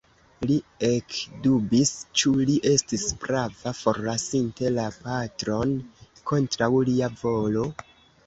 Li ekdubis, ĉu li estis prava, forlasinte la patron kontraŭ lia volo?